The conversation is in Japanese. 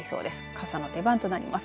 傘の出番となります。